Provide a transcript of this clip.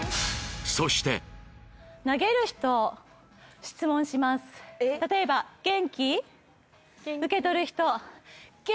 そして例えば受け取る人